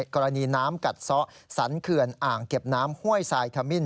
กรณีน้ำกัดซ้อสันเขื่อนอ่างเก็บน้ำห้วยทรายขมิ้น